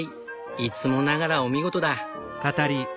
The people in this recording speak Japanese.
いつもながらお見事だ。